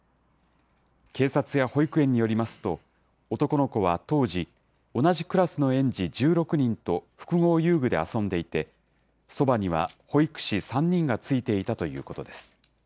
警察や保育園によりますと、男の子は当時、同じクラスの園児１６人と複合遊具で遊んでいて、そばには保育士３人がついていたということです。